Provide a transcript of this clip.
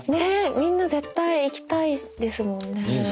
みんな絶対行きたいですもんね。